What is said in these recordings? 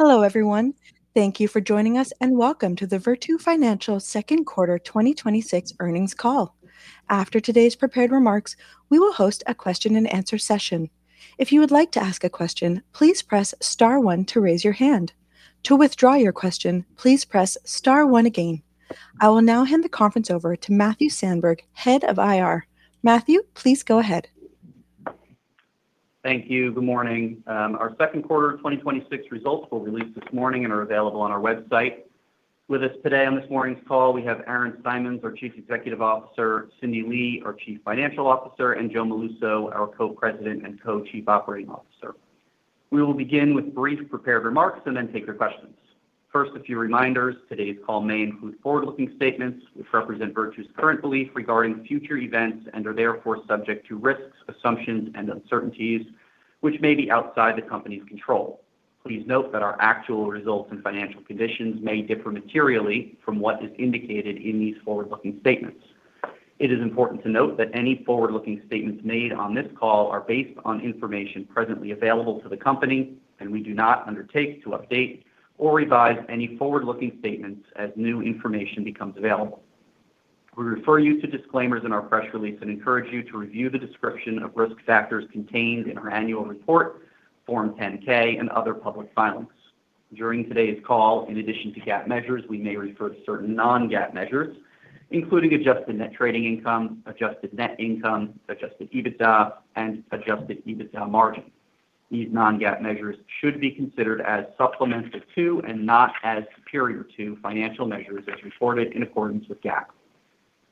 Hello, everyone. Thank you for joining us, welcome to the Virtu Financial Second Quarter 2026 Earnings Call. After today's prepared remarks, we will host a question and answer session. If you would like to ask a question, please press star one to raise your hand. To withdraw your question, please press star one again. I will now hand the conference over to Matthew Sandberg, Head of Investor Relations. Matthew, please go ahead. Thank you. Good morning. Our second quarter 2026 results were released this morning are available on our website. With us today on this morning's call, we have Aaron Simons, our Chief Executive Officer, Cindy Lee, our Chief Financial Officer, and Joseph Molluso, our Co-President and Co-Chief Operating Officer. We will begin with brief prepared remarks then take your questions. First, a few reminders. Today's call may include forward-looking statements which represent Virtu's current belief regarding future events and are therefore subject to risks, assumptions, and uncertainties which may be outside the company's control. Please note that our actual results and financial conditions may differ materially from what is indicated in these forward-looking statements. It is important to note that any forward-looking statements made on this call are based on information presently available to the company, we do not undertake to update or revise any forward-looking statements as new information becomes available. We refer you to disclaimers in our press release and encourage you to review the description of risk factors contained in our annual report, Form 10-K, and other public filings. During today's call, in addition to GAAP measures, we may refer to certain Non-GAAP measures, including adjusted net trading income, adjusted net income, adjusted EBITDA, and adjusted EBITDA margin. These Non-GAAP measures should be considered as supplements to and not as superior to financial measures as reported in accordance with GAAP.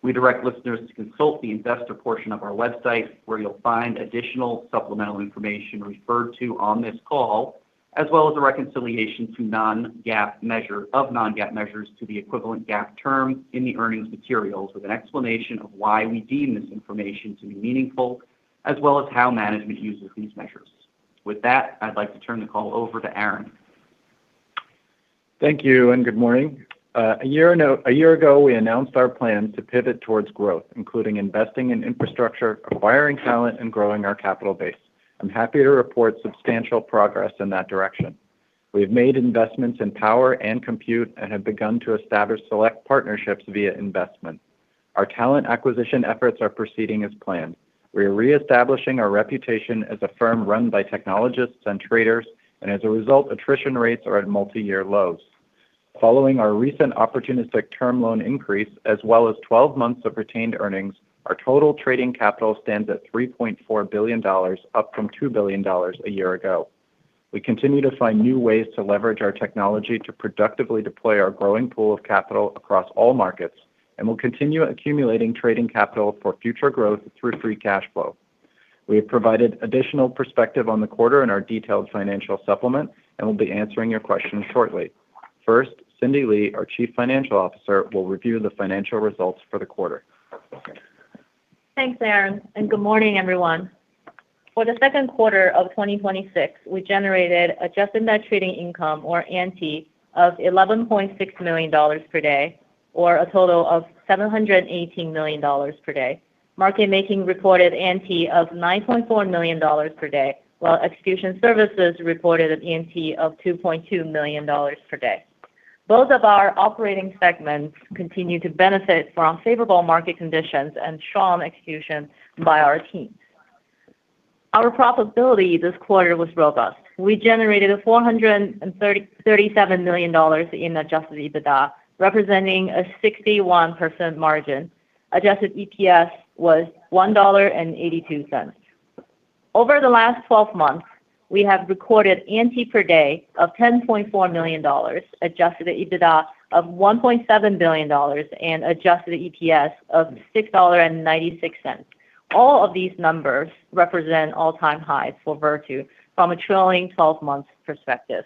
We direct listeners to consult the investor portion of our website, where you'll find additional supplemental information referred to on this call, as well as a reconciliation of Non-GAAP measures to the equivalent GAAP term in the earnings materials, with an explanation of why we deem this information to be meaningful, as well as how management uses these measures. With that, I'd like to turn the call over to Aaron. Thank you, and good morning. A year ago, we announced our plan to pivot towards growth, including investing in infrastructure, acquiring talent, and growing our capital base. I'm happy to report substantial progress in that direction. We have made investments in power and compute and have begun to establish select partnerships via investment. Our talent acquisition efforts are proceeding as planned. We are reestablishing our reputation as a firm run by technologists and traders, and as a result, attrition rates are at multi-year lows. Following our recent opportunistic term loan increase, as well as 12 months of retained earnings, our total trading capital stands at $3.4 billion, up from $2 billion a year ago. We continue to find new ways to leverage our technology to productively deploy our growing pool of capital across all markets. We'll continue accumulating trading capital for future growth through free cash flow. We have provided additional perspective on the quarter in our detailed financial supplement and will be answering your questions shortly. First, Cindy Lee, our Chief Financial Officer, will review the financial results for the quarter. Thanks, Aaron, good morning, everyone. For the second quarter of 2026, we generated Adjusted Net Trading Income, or ANTI, of $11.6 million per day, or a total of $718 million per day. Market Making reported ANTI of $9.4 million per day, while Execution Services reported an ANTI of $2.2 million per day. Both of our operating segments continue to benefit from favorable market conditions and strong execution by our teams. Our profitability this quarter was robust. We generated $437 million in Adjusted EBITDA, representing a 61% margin. Adjusted EPS was $1.82. Over the last 12 months, we have recorded ANTI per day of $10.4 million, Adjusted EBITDA of $1.7 billion and Adjusted EPS of $6.96. All of these numbers represent all-time highs for Virtu from a trailing 12-month perspective.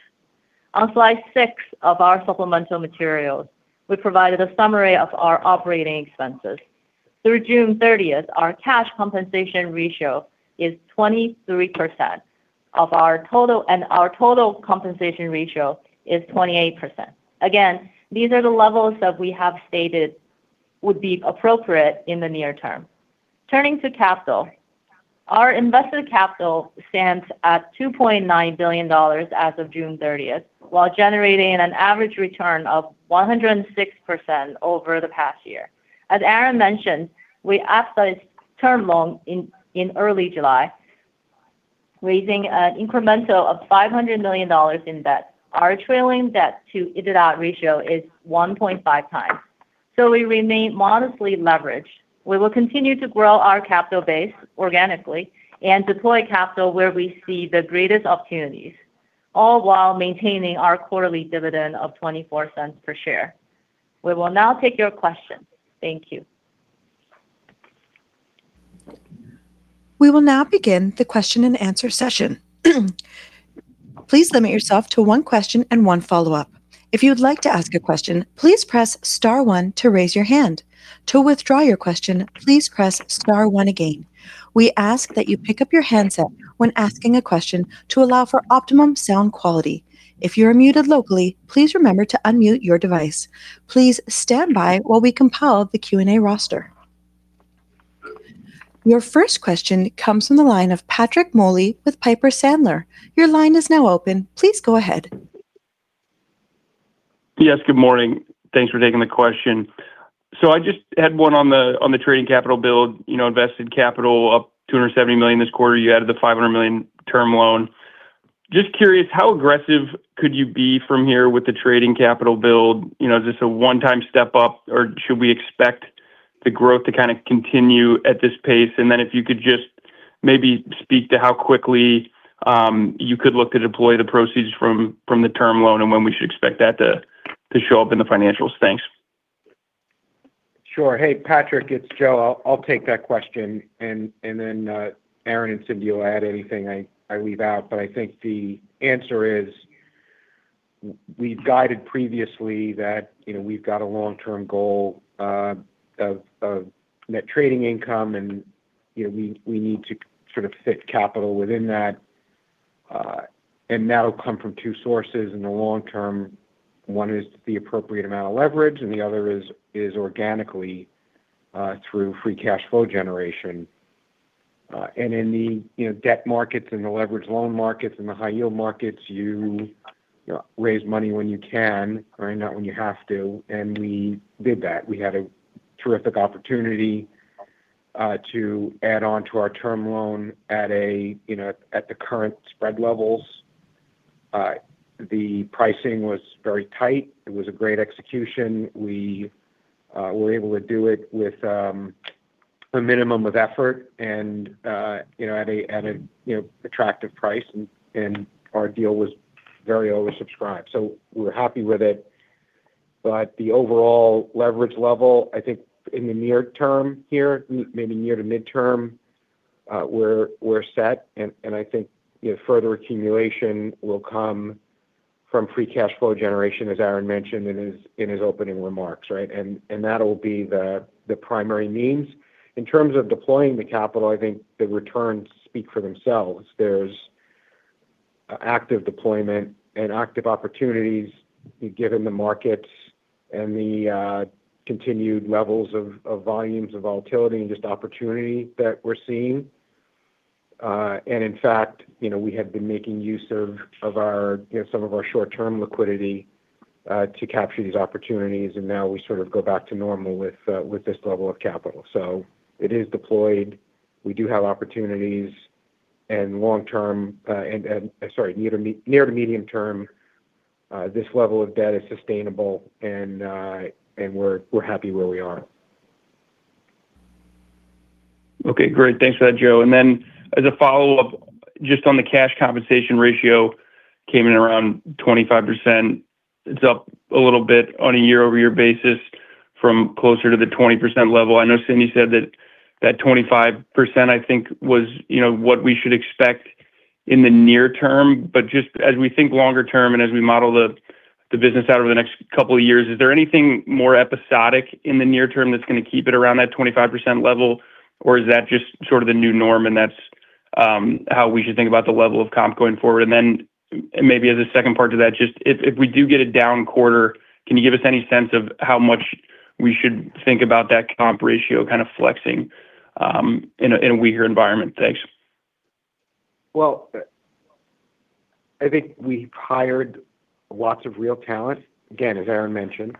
On slide six of our supplemental materials, we provided a summary of our operating expenses. Through June 30th, our cash compensation ratio is 23%, and our total compensation ratio is 28%. Again, these are the levels that we have stated would be appropriate in the near term. Turning to capital, our invested capital stands at $2.9 billion as of June 30th, while generating an average return of 106% over the past year. As Aaron mentioned, we subsidized term loan in early July, raising an incremental of $500 million in debt. Our trailing debt-to-EBITDA ratio is 1.5x. We remain modestly leveraged. We will continue to grow our capital base organically and deploy capital where we see the greatest opportunities, all while maintaining our quarterly dividend of $0.24 per share. We will now take your questions. Thank you. We will now begin the question-and-answer session. Please limit yourself to one question and one follow-up. If you would like to ask a question, please press star one to raise your hand. To withdraw your question, please press star one again. We ask that you pick up your handset when asking a question to allow for optimum sound quality. If you're muted locally, please remember to unmute your device. Please stand by while we compile the question-and-answer roster. Your first question comes from the line of Patrick Moley with Piper Sandler. Your line is now open. Please go ahead. Yes, good morning. Thanks for taking the question. I just had one on the trading capital build, invested capital up $270 million this quarter, you added the $500 million term loan. Just curious, how aggressive could you be from here with the trading capital build? Is this a one-time step up, or should we expect the growth to kind of continue at this pace? If you could just maybe speak to how quickly you could look to deploy the proceeds from the term loan, and when we should expect that to show up in the financials. Thanks. Sure. Hey, Patrick, it's Joseph. I'll take that question, Aaron and Cindy will add anything I leave out. I think the answer is, we've guided previously that we've got a long-term goal of net trading income, and we need to sort of fit capital within that. That'll come from two sources in the long term. One is the appropriate amount of leverage, and the other is organically, through free cash flow generation. In the debt markets and the leverage loan markets and the high-yield markets, you raise money when you can, not when you have to. We did that. We had a terrific opportunity to add on to our term loan at the current spread levels. The pricing was very tight. It was a great execution. We were able to do it with a minimum of effort and at an attractive price, and our deal was very oversubscribed. We're happy with it. The overall leverage level, I think in the near term here, maybe near to midterm, we're set, and I think further accumulation will come from free cash flow generation, as Aaron mentioned in his opening remarks, right? That'll be the primary means. In terms of deploying the capital, I think the returns speak for themselves. There's active deployment and active opportunities given the markets and the continued levels of volumes of volatility and just opportunity that we're seeing. In fact, we have been making use of some of our short-term liquidity to capture these opportunities. Now we sort of go back to normal with this level of capital. It is deployed. We do have opportunities and near to medium term, this level of debt is sustainable, and we're happy where we are. Okay, great. Thanks for that, Joe. As a follow-up, just on the cash compensation ratio, came in around 25%. It's up a little bit on a year-over-year basis from closer to the 20% level. I know Cindy said that that 25%, I think, was what we should expect in the near term. Just as we think longer term and as we model the business out over the next couple of years, is there anything more episodic in the near term that's going to keep it around that 25% level? Is that just sort of the new norm, and that's how we should think about the level of comp going forward? Maybe as a second part to that, just if we do get a down quarter, can you give us any sense of how much we should think about that comp ratio kind of flexing in a weaker environment? Thanks. Well, I think we've hired lots of real talent, again, as Aaron mentioned.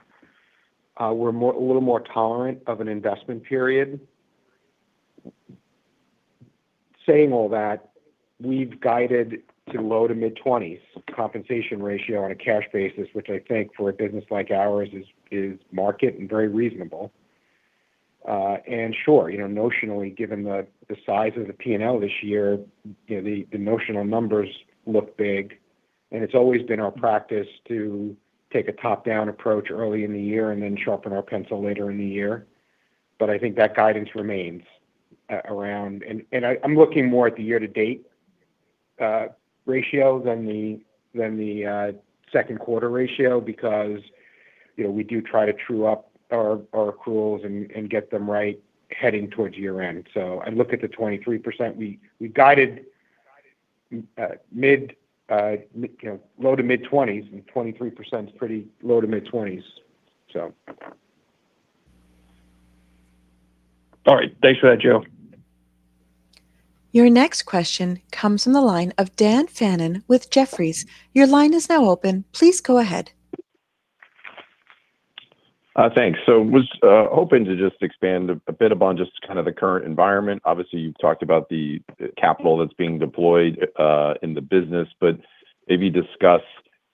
We're a little more tolerant of an investment period. Saying all that, we've guided to low to mid-20s compensation ratio on a cash basis, which I think for a business like ours is market and very reasonable. Sure, notionally, given the size of the P&L this year, the notional numbers look big, and it's always been our practice to take a top-down approach early in the year and then sharpen our pencil later in the year. I think that guidance remains around. I'm looking more at the year-to-date ratio than the second quarter ratio because we do try to true up our accruals and get them right heading towards year-end. I look at the 23%. We guided low to mid-20s, and 23% is pretty low to mid-20s. All right. Thanks for that, Joe. Your next question comes from the line of Dan Fannon with Jefferies. Your line is now open. Please go ahead. Thanks. Was hoping to just expand a bit upon just kind of the current environment. Obviously, you've talked about the capital that's being deployed in the business, but maybe discuss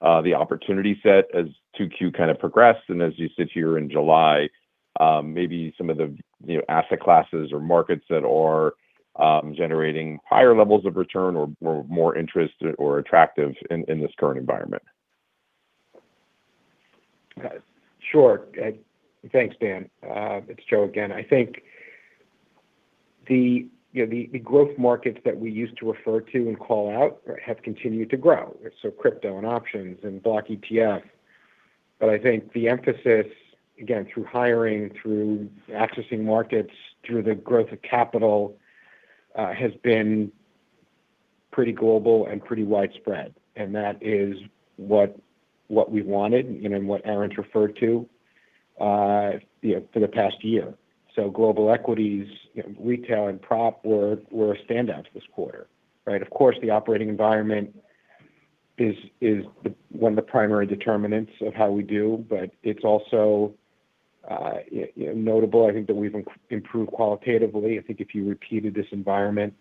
the opportunity set as 2Q kind of progressed and as you sit here in July, maybe some of the asset classes or markets that are generating higher levels of return or were more interest or attractive in this current environment. Sure. Thanks, Dan. It's Joe again. I think the growth markets that we used to refer to and call out have continued to grow, so crypto and options and block ETF. I think the emphasis, again, through hiring, through accessing markets, through the growth of capital, has been pretty global and pretty widespread. That is what we wanted and what Aaron's referred to for the past year. Global equities, retail, and prop were standouts this quarter. Of course, the operating environment is one of the primary determinants of how we do, but it's also notable, I think, that we've improved qualitatively. I think if you repeated this environment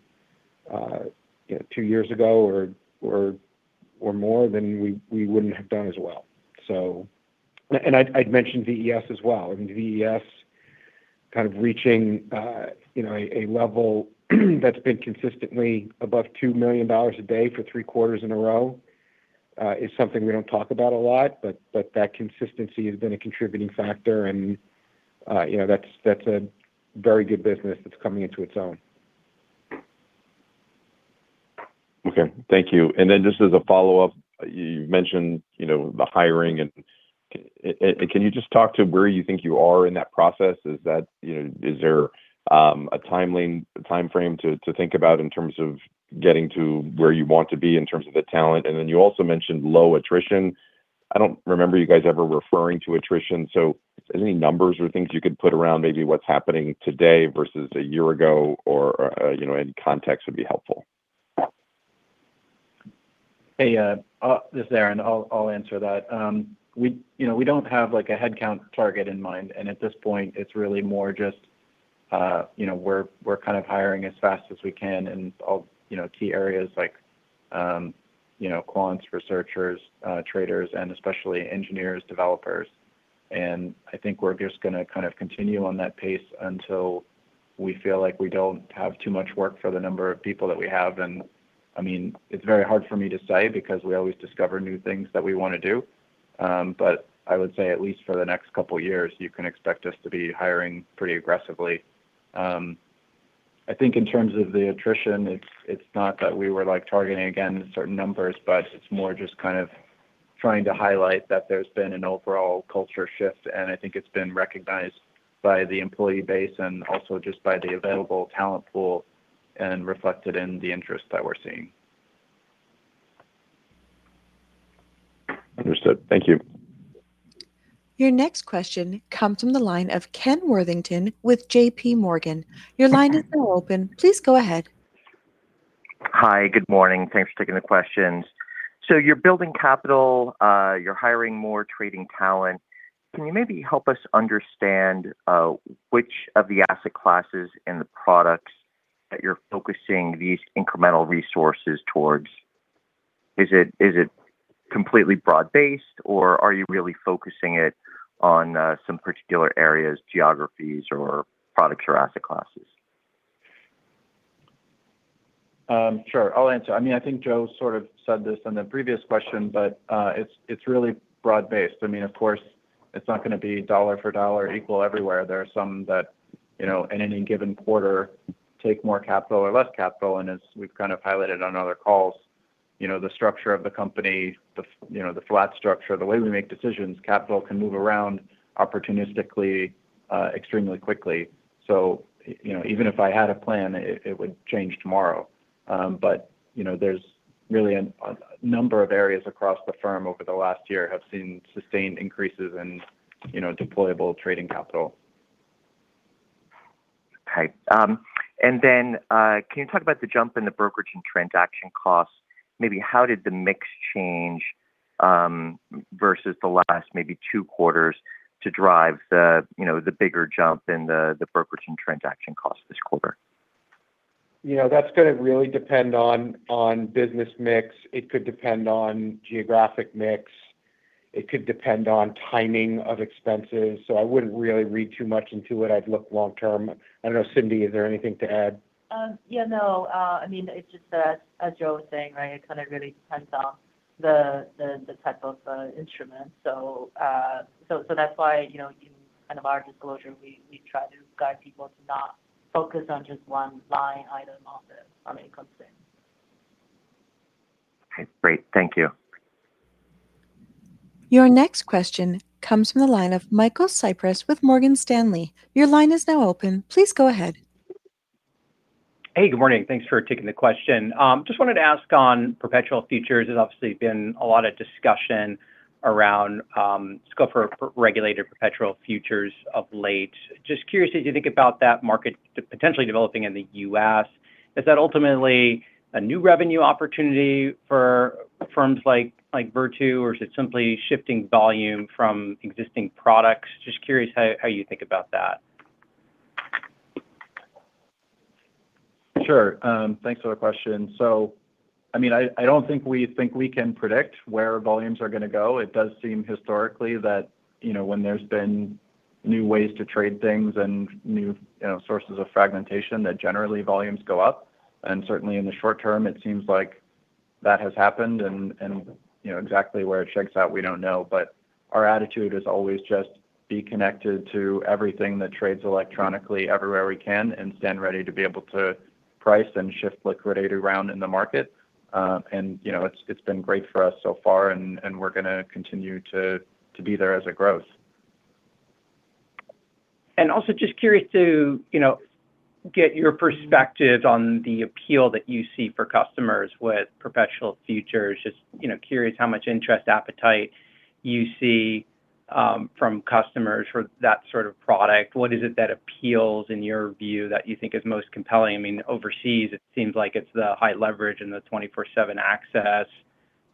two years ago or more, then we wouldn't have done as well. And I'd mentioned VES as well. I mean, VES kind of reaching a level that's been consistently above $2 million a day for three quarters in a row is something we don't talk about a lot, but that consistency has been a contributing factor. That's a very good business that's coming into its own. Okay. Thank you. Then just as a follow-up, you mentioned the hiring, and can you just talk to where you think you are in that process? Is there a timeframe to think about in terms of getting to where you want to be in terms of the talent? Then you also mentioned low attrition. I don't remember you guys ever referring to attrition, so any numbers or things you could put around maybe what's happening today versus a year ago or any context would be helpful. Hey, this is Aaron. I'll answer that. We don't have a headcount target in mind, at this point, it's really more just we're kind of hiring as fast as we can in all key areas like quants, researchers, traders, and especially engineers, developers. I think we're just going to kind of continue on that pace until we feel like we don't have too much work for the number of people that we have. It's very hard for me to say because we always discover new things that we want to do. I would say at least for the next couple of years, you can expect us to be hiring pretty aggressively. I think in terms of the attrition, it's not that we were targeting, again, certain numbers, but it's more just kind of trying to highlight that there's been an overall culture shift, and I think it's been recognized by the employee base and also just by the available talent pool and reflected in the interest that we're seeing. Understood. Thank you. Your next question comes from the line of Ken Worthington with JPMorgan. Your line is now open. Please go ahead. Hi. Good morning. Thanks for taking the questions. You're building capital, you're hiring more trading talent. Can you maybe help us understand which of the asset classes and the products that you're focusing these incremental resources towards? Is it completely broad-based, or are you really focusing it on some particular areas, geographies, or products or asset classes? Sure. I'll answer. I think Joe sort of said this in the previous question, but it's really broad-based. Of course, it's not going to be dollar-for-dollar equal everywhere. There are some that, in any given quarter, take more capital or less capital, and as we've kind of highlighted on other calls, the structure of the company, the flat structure, the way we make decisions, capital can move around opportunistically extremely quickly. Even if I had a plan, it would change tomorrow. There's really a number of areas across the firm over the last year have seen sustained increases in deployable trading capital. Okay. Can you talk about the jump in the brokerage and transaction costs? Maybe how did the mix change, versus the last maybe two quarters to drive the bigger jump in the brokerage and transaction costs this quarter? That's going to really depend on business mix. It could depend on geographic mix. It could depend on timing of expenses. I wouldn't really read too much into it. I'd look long term. I don't know, Cindy, is there anything to add? Yeah. No. It's just as Joe was saying, it kind of really depends on the type of instrument. That's why, in kind of our disclosure, we try to guide people to not focus on just one line item on the income statement. Okay. Great. Thank you. Your next question comes from the line of Michael Cyprys with Morgan Stanley. Your line is now open. Please go ahead. Hey, good morning. Thanks for taking the question. Just wanted to ask on perpetual futures. There's obviously been a lot of discussion around scope for regulated perpetual futures of late. Just curious, as you think about that market potentially developing in the U.S., is that ultimately a new revenue opportunity for firms like Virtu, or is it simply shifting volume from existing products? Just curious how you think about that. Sure. Thanks for the question. I don't think we think we can predict where volumes are going to go. It does seem historically that when there's been new ways to trade things and new sources of fragmentation, that generally volumes go up, and certainly in the short term, it seems like that has happened, and exactly where it shakes out, we don't know. Our attitude is always just be connected to everything that trades electronically everywhere we can and stand ready to be able to price and shift liquidity around in the market. It's been great for us so far, and we're going to continue to be there as it grows. Also just curious to get your perspectives on the appeal that you see for customers with perpetual futures. Just curious how much interest appetite you see from customers for that sort of product. What is it that appeals in your view that you think is most compelling? Overseas, it seems like it's the high leverage and the 24/7 access.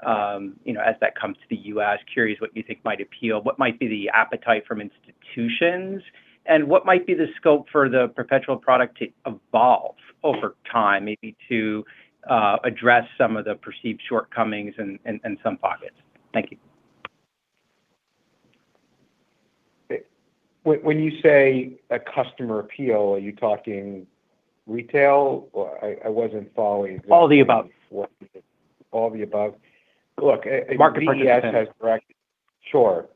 As that comes to the U.S., curious what you think might appeal, what might be the appetite from institutions, and what might be the scope for the perpetual product to evolve over time, maybe to address some of the perceived shortcomings in some pockets. Thank you. When you say a customer appeal, are you talking retail? I wasn't following. All of the above. All of the above. Market participants. Sure.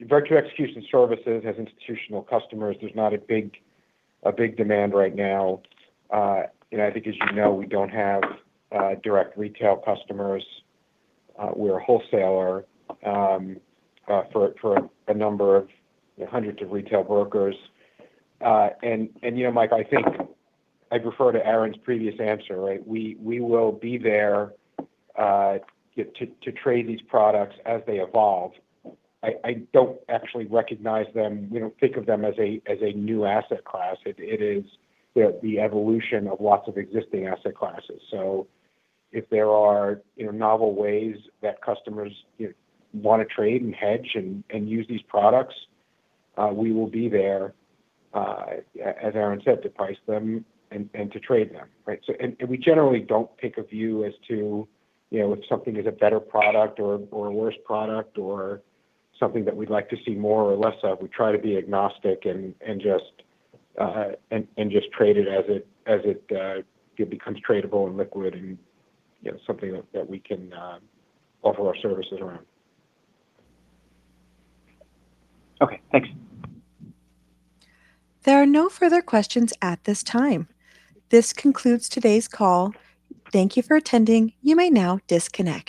Virtu Execution Services has institutional customers. There's not a big demand right now. I think as you know, we don't have direct retail customers. We're a wholesaler for a number of hundreds of retail brokers. Mike, I think I'd refer to Aaron's previous answer. We will be there to trade these products as they evolve. I don't actually recognize them. We don't think of them as a new asset class. It is the evolution of lots of existing asset classes. If there are novel ways that customers want to trade and hedge and use these products, we will be there, as Aaron said, to price them and to trade them. Right? We generally don't take a view as to if something is a better product or a worse product or something that we'd like to see more or less of. We try to be agnostic and just trade it as it becomes tradable and liquid and something that we can offer our services around. Okay, thanks. There are no further questions at this time. This concludes today's call. Thank you for attending. You may now disconnect.